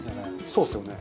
そうですよね。